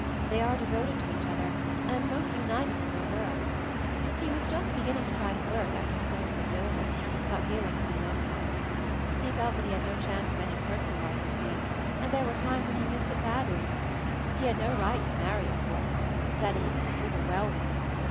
"They are devoted to each other, and most united in their work. He was just beginning to try to work, after his own rebuilding; but feeling pretty lone some. He felt that he had no chance of any personal life, you see, and there were times hen he missed it badly. He had no right to marry, of course; that is, with a well woman.